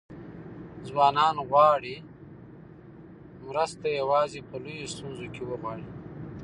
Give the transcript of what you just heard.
ځوانان غواړي مرسته یوازې په لویو ستونزو کې وغواړي.